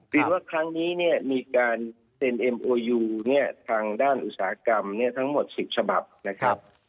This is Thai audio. คิดว่าครั้งนี้มีการเซ็นเอ็มโอยูทางด้านอุตสาหกรรมทั้งหมด๑๐ฉบับนะครับ